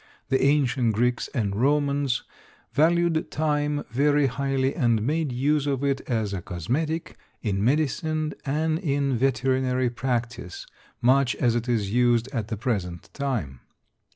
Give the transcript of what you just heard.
The ancient Greeks and Romans valued thyme very highly and made use of it as a cosmetic, in medicine and in veterinary practice, much as it is used at the present time.